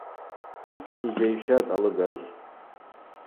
Йджьайщатӏ алыгажв.